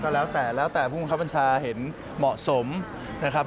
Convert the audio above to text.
แล้วแต่แล้วแต่ผู้บังคับบัญชาเห็นเหมาะสมนะครับ